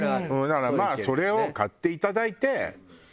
だからまあそれを買っていただいて。